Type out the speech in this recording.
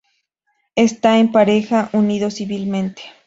Está en pareja unido civilmente.